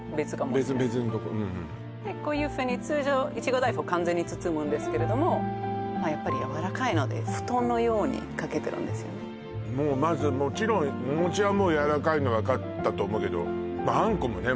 うんうんこういうふうに通常いちご大福を完全に包むんですけれどもやっぱりやわらかいのでもうまずもちろんお餅はやわらかいの分かったと思うけどあんこもね